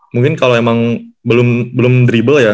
mungkin kalau emang belum dribble ya